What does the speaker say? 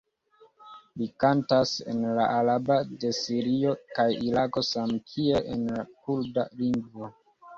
Li kantas en la araba de Sirio kaj Irako samkiel en la kurda lingvo.